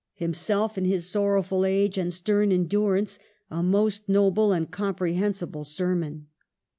Himself in his sorrowful age and stern endurance a most noble and comprehensible sermon.